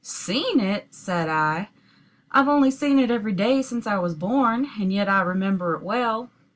"Seen it!" said I; "I've only seen it every day since I was born, and yet I remember it well."